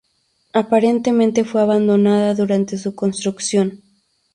Aparentemente fue abandonada durante su construcción.